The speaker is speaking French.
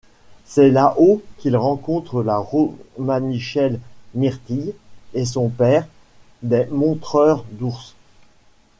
C'est là-haut qu'il rencontre la romanichelle Myrtille et son père, des montreurs d'ours.